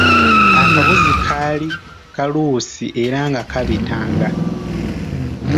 Akabuzi kaali kaluusi era nga kabitanga.